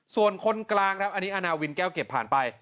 ส่วนคนกลางครับอันนี้อาณาวินแก้วเก็บผ่านไป